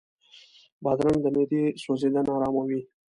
بادرنګ د معدې سوځېدنه آراموي.